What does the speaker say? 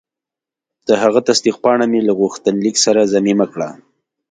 د هغه تصدیق پاڼه مې له غوښتنلیک سره ضمیمه کړه.